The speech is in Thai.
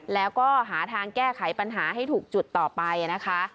แล้วก็หาทางแก้ไขปัญหาให้ถูกจุดต่อไปนะคะ